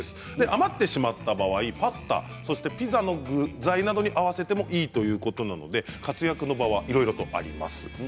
余ってしまった場合パスタやピザの具材などに合わせてもいいということなので活躍の場がいろいろとあります。